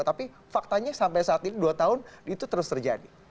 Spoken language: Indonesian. tapi faktanya sampai saat ini dua tahun itu terus terjadi